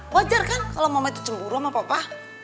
wajar kan kalau momen itu cemburu sama papa